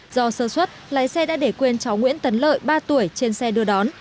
do sơ xuất lái xe đã để quên cháu nguyễn tấn lợi ba tuổi trên xe đưa đón